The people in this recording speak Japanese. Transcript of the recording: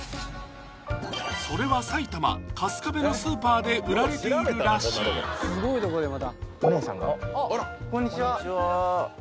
それは埼玉・春日部のスーパーで売られているらしいスゴいとこでまた！